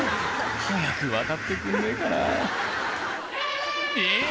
早く渡ってくんねえかなえぇ！